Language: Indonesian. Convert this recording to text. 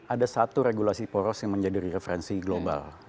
ada satu regulasi poros yang menjadi referensi global